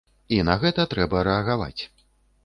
І на гэта трэба рэагаваць.